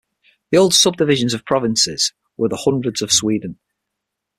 The old subdivisions of provinces were the Hundreds of Sweden.